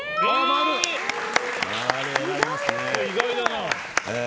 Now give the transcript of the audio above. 意外だな。